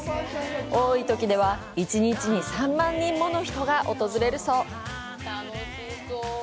多いときでは１日に３万人もの人が訪れるそう！